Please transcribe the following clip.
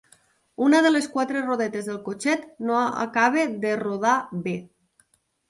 “Una de les quatre rodetes del cotxet no acaba de rodar bé.